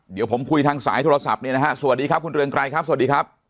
เดี๋ยวผมคุยทางสายโทรศัพท์เนี่ยนะฮะสวัสดีครับคุณเรืองไกรครับสวัสดีครับ